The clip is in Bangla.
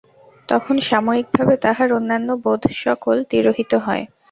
তখন সাময়িকভাবে তাহার অন্যান্য বোধসকল তিরোহিত হয়।